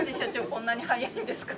こんなに早いんですか？